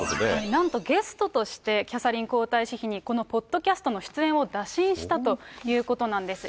なんとゲストとして、キャサリン皇太子妃に、このポッドキャストの出演を打診したということなんです。